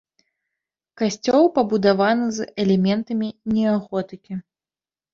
Касцёл пабудаваны з элементамі неаготыкі.